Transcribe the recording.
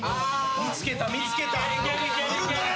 見つけた見つけた。